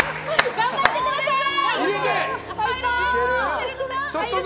頑張ってください！